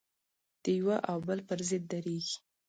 د یوه او بل پر ضد درېږي.